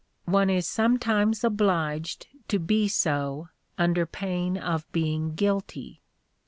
One is sometimes obliged to be so, under pain of being guilty.